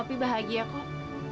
opi bahagia kok